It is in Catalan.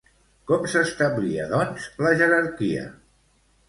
Com s'establia, doncs, la jerarquia?